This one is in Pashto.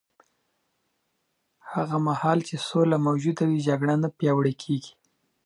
هغه مهال چې سوله موجوده وي، جګړه نه پیاوړې کېږي.